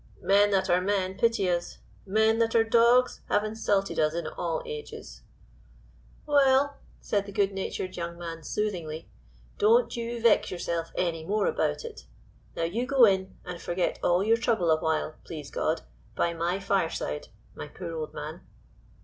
Men that are men pity us; men that are dogs have insulted us in all ages." "Well," said the good natured young man soothingly "don't you vex yourself any more about it. Now you go in, and forget all your trouble awhile, please God, by my fireside, my poor old man."